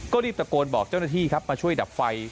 ก็รีบตะโกนบอกเจ้าหน้าที่ครับมาช่วยดับไฟ